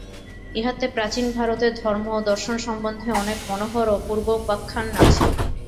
ইহাতে প্রাচীন ভারতের ধর্ম ও দর্শন সম্বন্ধে অনেক মনোহর অপূর্ব উপাখ্যান আছে।